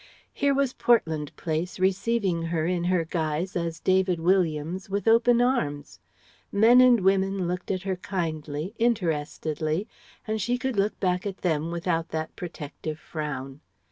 Here was Portland Place receiving her in her guise as David Williams with open arms. Men and women looked at her kindly, interestedly, and she could look back at them without that protective frown.